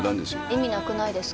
「意味なくないですか？」